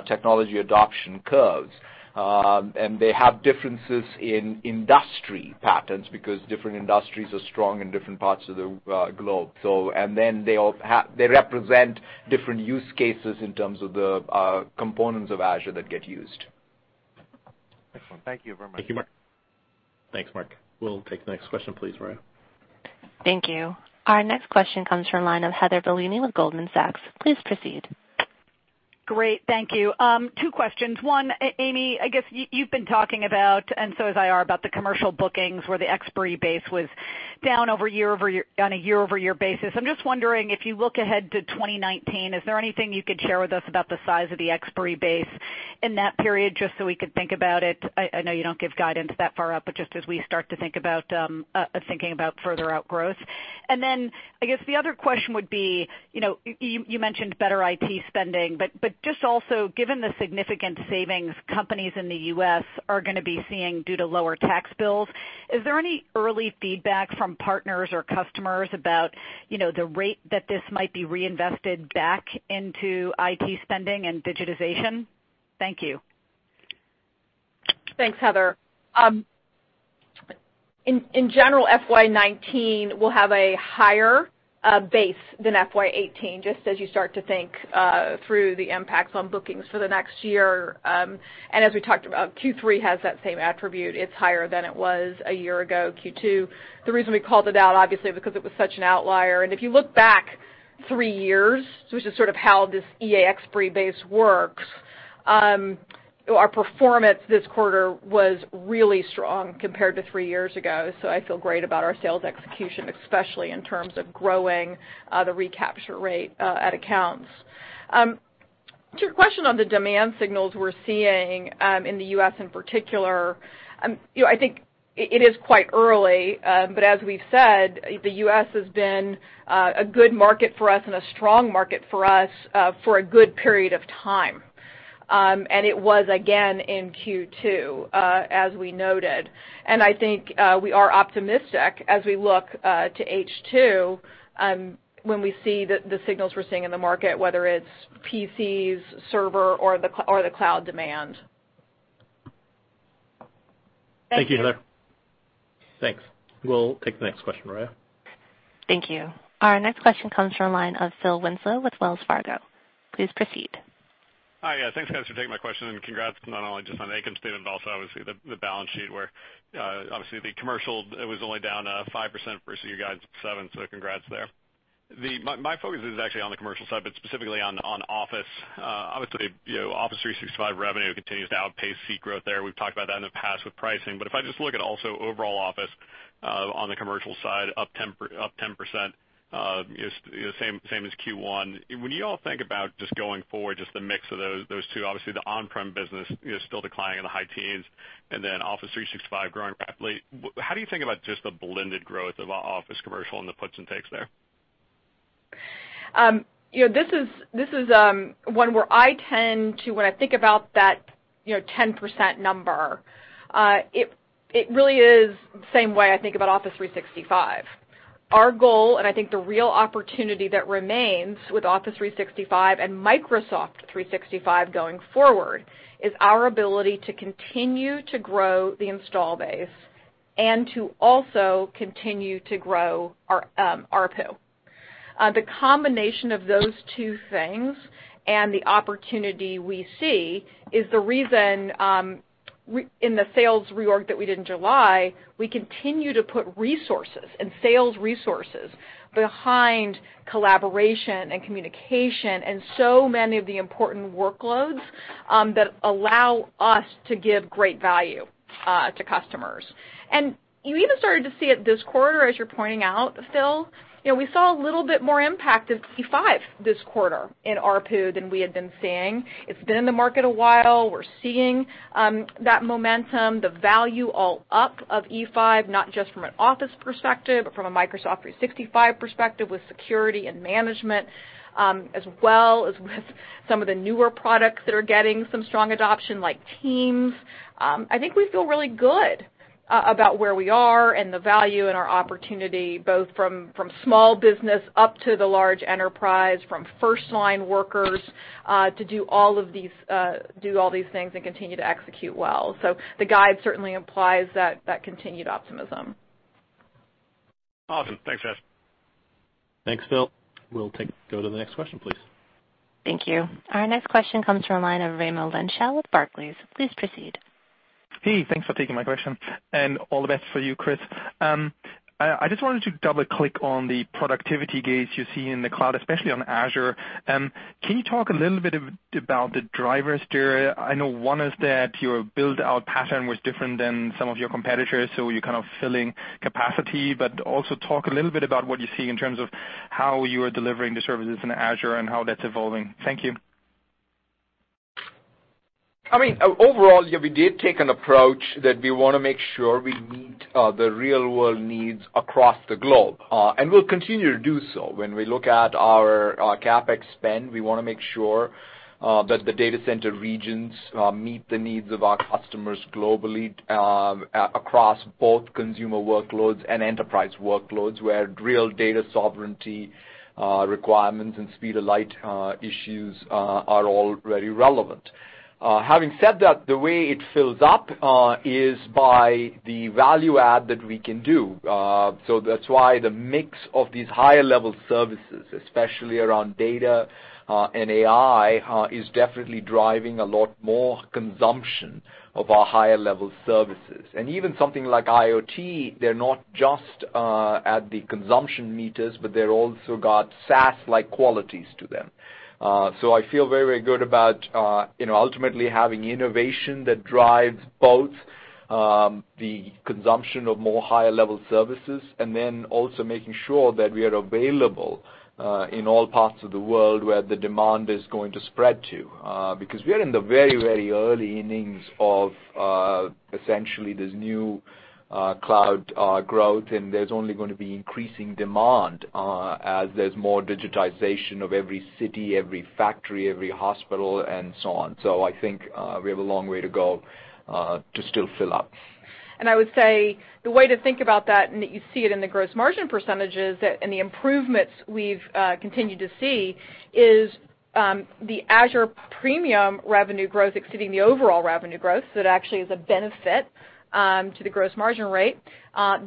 technology adoption curves. They have differences in industry patterns because different industries are strong in different parts of the globe. They represent different use cases in terms of the components of Azure that get used.
Excellent. Thank you very much.
Thanks, Mark. We'll take the next question, please, Roya.
Thank you. Our next question comes from line of Heather Bellini with Goldman Sachs. Please proceed.
Great. Thank you. Two questions. One, Amy, I guess you've been talking about, and so has IR, about the commercial bookings where the expiry base was down on a year-over-year basis. I'm just wondering, if you look ahead to 2019, is there anything you could share with us about the size of the expiry base in that period, just so we could think about it, I know you don't give guidance that far out, but just as we start to think about, thinking about further outgrowths? I guess the other question would be, you know, you mentioned better IT spending, but just also given the significant savings companies in the U.S. are going to be seeing due to lower tax bills, is there any early feedback from partners or customers about, you know, the rate that this might be reinvested back into IT spending and digitization? Thank you.
Thanks, Heather. In general, FY 2019 will have a higher base than FY 2018, just as you start to think through the impacts on bookings for the next year. As we talked about, Q3 has that same attribute. It's higher than it was a year ago, Q2. The reason we called it out, obviously, because it was such an outlier. If you look back three years, which is sort of how this EA expiry base works, our performance this quarter was really strong compared to three years ago. I feel great about our sales execution, especially in terms of growing the recapture rate at accounts. To your question on the demand signals we're seeing, in the U.S. in particular, you know, I think it is quite early, but as we've said, the U.S. has been a good market for us and a strong market for us for a good period of time. It was again in Q2 as we noted. I think we are optimistic as we look to H2 when we see the signals we're seeing in the market, whether it's PCs, server or the cloud demand.
Thank you.
Thank you, Heather. Thanks. We'll take the next question, Raya.
Thank you. Our next question comes from a line of Phil Winslow with Wells Fargo. Please proceed.
Hi. Thanks, guys, for taking my question. Congrats not only just on income statement, but also obviously the balance sheet where obviously the commercial, it was only down 5% versus your guidance of 7%. Congrats there. My focus is actually on the commercial side, but specifically on Office. Obviously, you know, Office 365 revenue continues to outpace seat growth there. We've talked about that in the past with pricing. If I just look at also overall Office on the commercial side, up 10%, is, you know, same as Q1. When you all think about just going forward, just the mix of those two, obviously the on-prem business is still declining in the high teens, and then Office 365 growing rapidly. How do you think about just the blended growth of Office commercial and the puts and takes there?
You know, this is one where I tend to, when I think about that, you know, 10% number, it really is the same way I think about Office 365. Our goal, and I think the real opportunity that remains with Office 365 and Microsoft 365 going forward, is our ability to continue to grow the install base and to also continue to grow our ARPU. The combination of those two things and the opportunity we see is the reason in the sales reorg that we did in July, we continue to put resources and sales resources behind collaboration and communication and so many of the important workloads that allow us to give great value to customers. You even started to see it this quarter, as you're pointing out, Phil. You know, we saw a little bit more impact of E5 this quarter in ARPU than we had been seeing. It's been in the market a while. We're seeing that momentum, the value all up of E5, not just from an Office perspective, but from a Microsoft 365 perspective with security and management, as well as with some of the newer products that are getting some strong adoption like Teams. I think we feel really good about where we are and the value and our opportunity, both from small business up to the large enterprise, from first-line workers, to do all these things and continue to execute well. The guide certainly implies that continued optimism.
Awesome. Thanks, guys.
Thanks, Phil. We'll go to the next question, please.
Thank you. Our next question comes from a line of Raimo Lenschow with Barclays. Please proceed.
Hey, thanks for taking my question, and all the best for you, Chris. I just wanted to double-click on the productivity gains you see in the cloud, especially on Azure. Can you talk a little bit about the drivers there? I know one is that your build-out pattern was different than some of your competitors, so you're kind of filling capacity. Also talk a little bit about what you see in terms of how you are delivering the services in Azure and how that's evolving. Thank you.
I mean, overall, yeah, we did take an approach that we wanna make sure we meet the real-world needs across the globe, and we'll continue to do so. When we look at our CapEx spend, we wanna make sure that the data center regions meet the needs of our customers globally, across both consumer workloads and enterprise workloads, where real data sovereignty requirements and speed of light issues are all very relevant. Having said that, the way it fills up is by the value add that we can do. So that's why the mix of these higher-level services, especially around data and AI, is definitely driving a lot more consumption of our higher-level services. Even something like IoT, they're not just at the consumption meters, but they're also got SaaS-like qualities to them. I feel very, very good about, you know, ultimately having innovation that drives both. The consumption of more higher-level services and then also making sure that we are available in all parts of the world where the demand is going to spread to, because we are in the very, very early innings of essentially this new cloud growth, and there's only gonna be increasing demand as there's more digitization of every city, every factory, every hospital, and so on. I think, we have a long way to go to still fill up.
I would say the way to think about that you see it in the gross margin percentages that and the improvements we've continued to see is the Azure premium revenue growth exceeding the overall revenue growth. It actually is a benefit to the gross margin rate.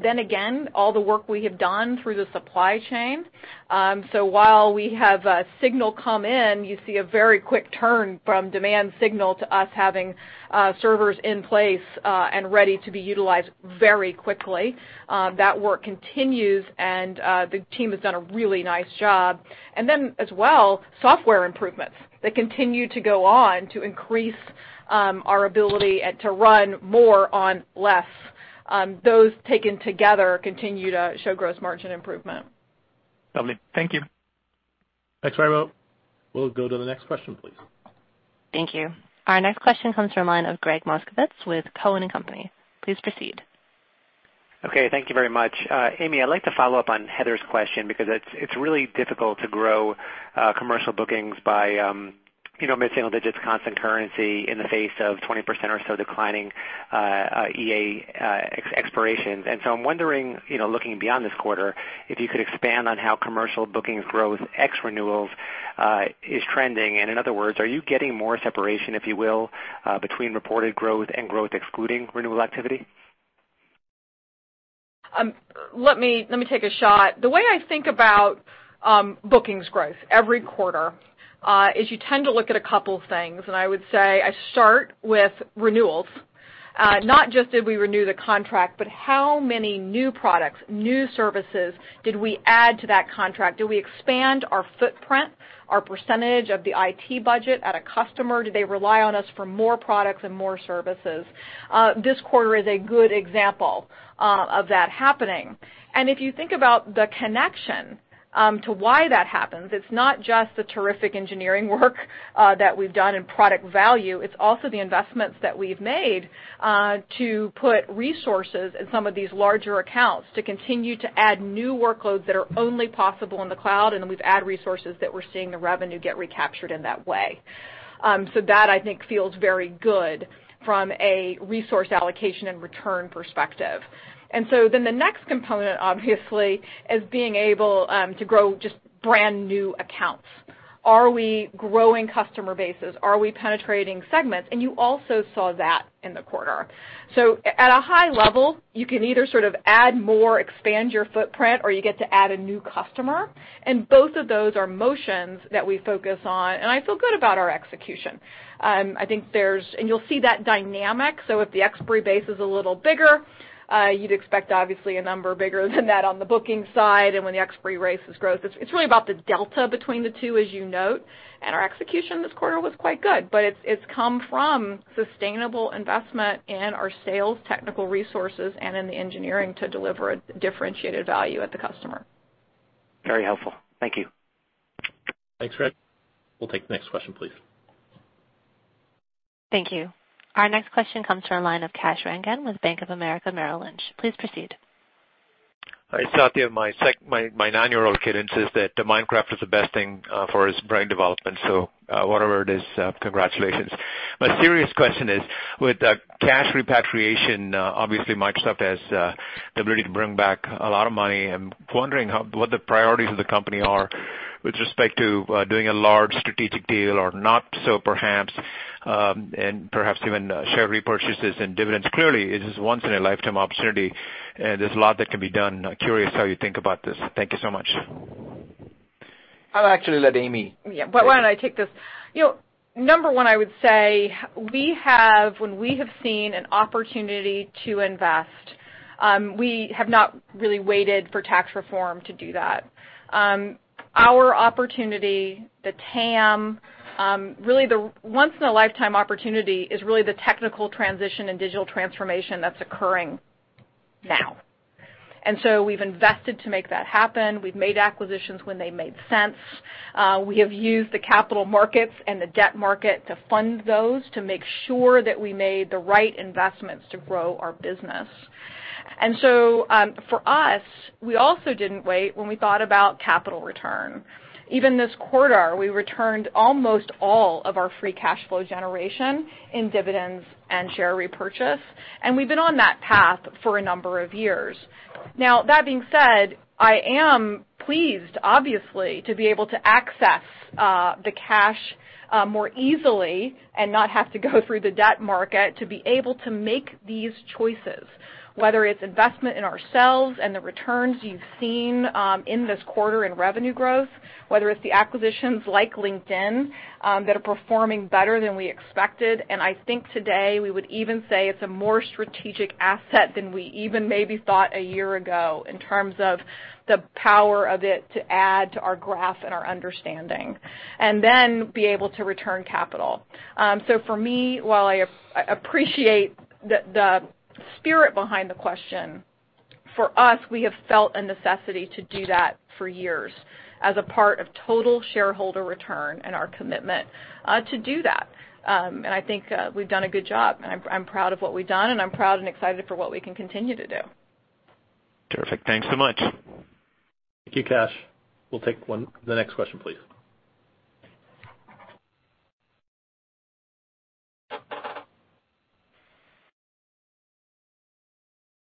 Then again, all the work we have done through the supply chain. While we have a signal come in, you see a very quick turn from demand signal to us having servers in place and ready to be utilized very quickly. That work continues, and the team has done a really nice job. Then as well, software improvements that continue to go on to increase our ability to run more on less. Those taken together continue to show gross margin improvement.
Got me. Thank you.
Thanks, Raimo. We'll go to the next question, please.
Thank you. Our next question comes from line of Gregg Moskowitz with Cowen and Company. Please proceed.
Okay. Thank you very much. Amy, I'd like to follow up on Heather's question because it's really difficult to grow commercial bookings by, you know, mid-single digits constant currency in the face of 20% or so declining EA expirations. I'm wondering, you know, looking beyond this quarter, if you could expand on how commercial bookings growth ex renewals is trending. In other words, are you getting more separation, if you will, between reported growth and growth excluding renewal activity?
Let me take a shot. The way I think about bookings growth every quarter is you tend to look at a couple things. I would say I start with renewals. Not just did we renew the contract, but how many new products, new services did we add to that contract? Did we expand our footprint, our percentage of the IT budget at a customer? Do they rely on us for more products and more services? This quarter is a good example of that happening. If you think about the connection to why that happens, it's not just the terrific engineering work that we've done and product value, it's also the investments that we've made to put resources in some of these larger accounts to continue to add new workloads that are only possible in the cloud, and then we've add resources that we're seeing the revenue get recaptured in that way. That I think feels very good from a resource allocation and return perspective. The next component, obviously, is being able to grow just brand-new accounts. Are we growing customer bases? Are we penetrating segments? You also saw that in the quarter. At a high level, you can either sort of add more, expand your footprint, or you get to add a new customer, and both of those are motions that we focus on, and I feel good about our execution. You'll see that dynamic, so if the expiry base is a little bigger, you'd expect obviously a number bigger than that on the booking side and when the expiry rates has growth. It's really about the delta between the two, as you note, and our execution this quarter was quite good. It's come from sustainable investment in our sales technical resources and in the engineering to deliver a differentiated value at the customer.
Very helpful. Thank you.
Thanks, Gregg. We'll take the next question, please.
Thank you. Our next question comes to our line of Kash Rangan with Bank of America Merrill Lynch. Please proceed.
Hi, Satya. My nine-year-old kid insists that Minecraft is the best thing for his brain development, so, whatever it is, congratulations. My serious question is, with cash repatriation, obviously Microsoft has the ability to bring back a lot of money. I'm wondering what the priorities of the company are with respect to doing a large strategic deal or not so perhaps, and perhaps even share repurchases and dividends. Clearly, it is once in a lifetime opportunity, there's a lot that can be done. Curious how you think about this. Thank you so much.
I'll actually let Amy.
Yeah. Why don't I take this? You know, number one, I would say when we have seen an opportunity to invest, we have not really waited for tax reform to do that. Our opportunity, the TAM, really the once in a lifetime opportunity is really the technical transition and digital transformation that's occurring now. We've invested to make that happen. We've made acquisitions when they made sense. We have used the capital markets and the debt market to fund those to make sure that we made the right investments to grow our business. For us, we also didn't wait when we thought about capital return. Even this quarter, we returned almost all of our free cash flow generation in dividends and share repurchase, and we've been on that path for a number of years. That being said, I am pleased, obviously, to be able to access the cash more easily and not have to go through the debt market to be able to make these choices, whether it's investment in ourselves and the returns you've seen in this quarter in revenue growth, whether it's the acquisitions like LinkedIn that are performing better than we expected. I think today we would even say it's a more strategic asset than we even maybe thought a year ago in terms of the power of it to add to our graph and our understanding, then be able to return capital. For me, while I appreciate the spirit behind the question. For us, we have felt a necessity to do that for years as a part of total shareholder return and our commitment to do that. I think, we've done a good job, and I'm proud of what we've done, and I'm proud and excited for what we can continue to do.
Terrific. Thanks so much.
Thank you, Kash. We'll take the next question, please.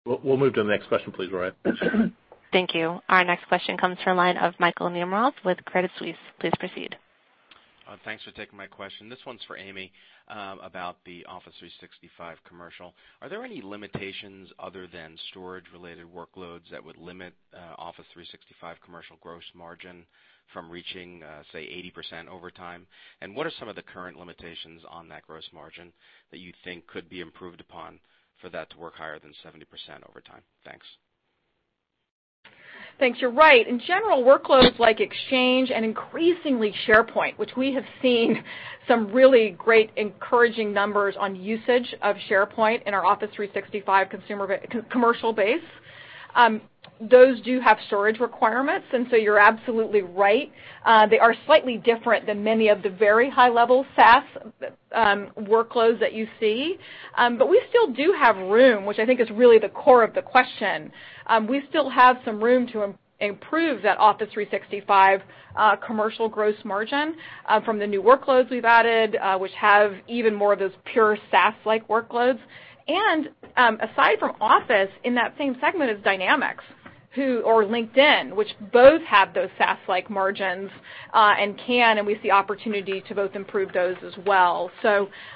We'll move to the next question, please, Raya.
Thank you. Our next question comes from line of Michael Nemeroff with Credit Suisse. Please proceed.
Thanks for taking my question. This one's for Amy, about the Office 365 commercial. Are there any limitations other than storage-related workloads that would limit Office 365 commercial gross margin from reaching, say, 80% over time? What are some of the current limitations on that gross margin that you think could be improved upon for that to work higher than 70% over time? Thanks.
Thanks. You're right. In general, workloads like Exchange and increasingly SharePoint, which we have seen some really great encouraging numbers on usage of SharePoint in our Office 365 commercial base, those do have storage requirements. You're absolutely right. They are slightly different than many of the very high-level SaaS workloads that you see. We still do have room, which I think is really the core of the question. We still have some room to improve that Office 365 commercial gross margin from the new workloads we've added, which have even more of those pure SaaS-like workloads. Aside from Office, in that same segment is Dynamics or LinkedIn, which both have those SaaS-like margins, and we see opportunity to both improve those as well.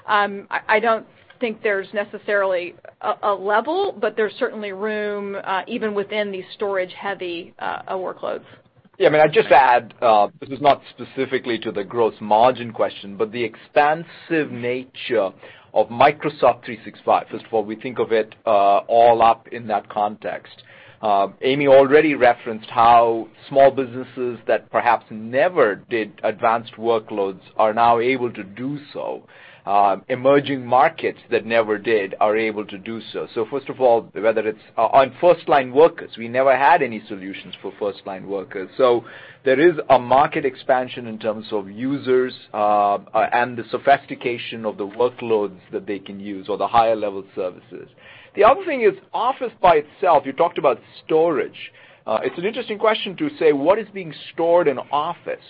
I don't think there's necessarily a level, but there's certainly room, even within these storage-heavy workloads.
Yeah, may I just add, this is not specifically to the gross margin question, but the expansive nature of Microsoft 365 is what we think of it, all up in that context. Amy already referenced how small businesses that perhaps never did advanced workloads are now able to do so. Emerging markets that never did are able to do so. First of all, whether it's on firstline workers, we never had any solutions for firstline workers. There is a market expansion in terms of users, and the sophistication of the workloads that they can use or the higher level services. The other thing is Office by itself, you talked about storage. It's an interesting question to say, what is being stored in Office,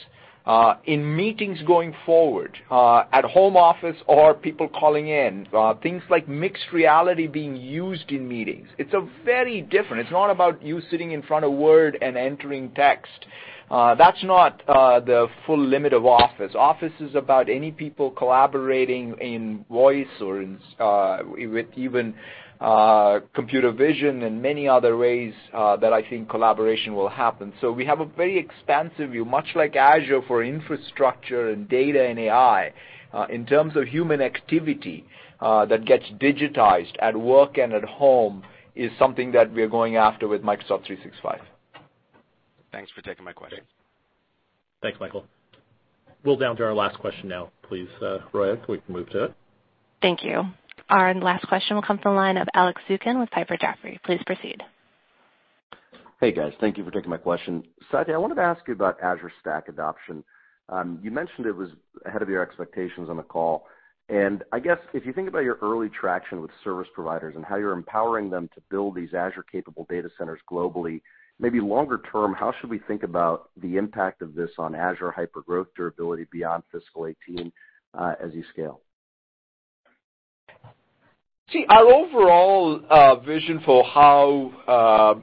in meetings going forward, at home office or people calling in, things like mixed reality being used in meetings. It's very different. It's not about you sitting in front of Word and entering text. That's not the full limit of Office. Office is about any people collaborating in voice with even computer vision and many other ways that I think collaboration will happen. We have a very expansive view, much like Azure for infrastructure and data and AI, in terms of human activity that gets digitized at work and at home is something that we are going after with Microsoft 365.
Thanks for taking my question.
Thanks, Michael. We're down to our last question now, please, Raya, can we move to it?
Thank you. Our last question will come from the line of Alex Zukin with Piper Jaffray. Please proceed.
Hey, guys. Thank you for taking my question. Satya, I wanted to ask you about Azure Stack adoption. You mentioned it was ahead of your expectations on the call. I guess if you think about your early traction with service providers and how you're empowering them to build these Azure-capable data centers globally, maybe longer term, how should we think about the impact of this on Azure hypergrowth durability beyond fiscal 2018 as you scale?
Our overall vision for how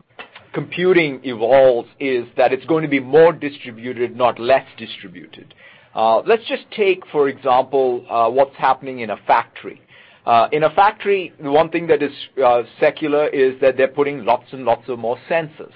computing evolves is that it's going to be more distributed, not less distributed. Let's just take, for example, what's happening in a factory. In a factory, one thing that is secular is that they're putting lots and lots of more sensors.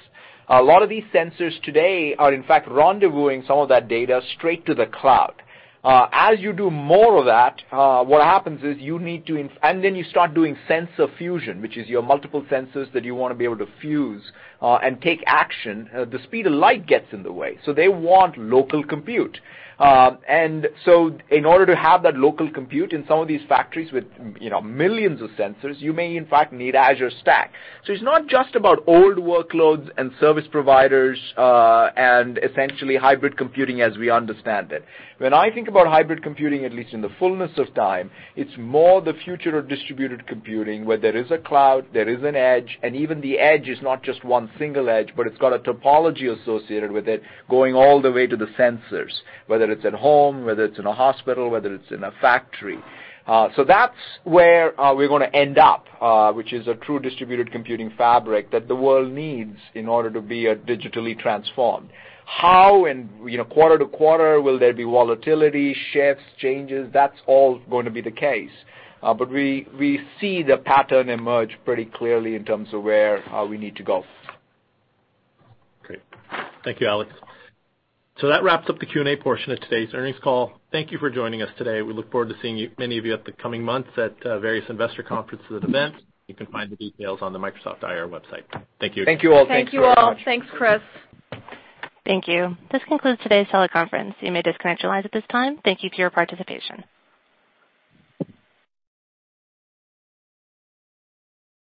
A lot of these sensors today are, in fact, rendezvousing some of that data straight to the cloud. As you do more of that, what happens is you need to and then you start doing sensor fusion, which is your multiple sensors that you wanna be able to fuse and take action. The speed of light gets in the way, so they want local compute. In order to have that local compute in some of these factories with, you know, millions of sensors, you may in fact need Azure Stack. It's not just about old workloads and service providers, and essentially hybrid computing as we understand it. When I think about hybrid computing, at least in the fullness of time, it's more the future of distributed computing, where there is a cloud, there is an edge, and even the edge is not just one single edge, but it's got a topology associated with it going all the way to the sensors, whether it's at home, whether it's in a hospital, whether it's in a factory. That's where, we're gonna end up, which is a true distributed computing fabric that the world needs in order to be digitally transformed. How, you know, quarter to quarter, will there be volatility, shifts, changes? That's all going to be the case. We see the pattern emerge pretty clearly in terms of where we need to go.
Great. Thank you, Alex. That wraps up the Q&A portion of today's earnings call. Thank you for joining us today. We look forward to seeing many of you at the coming months at various investor conferences and events. You can find the details on the Microsoft IR website. Thank you.
Thank you all.
Thank you all. Thanks, Chris.
Thank you. This concludes today's teleconference. You may disconnect your lines at this time. Thank you for your participation.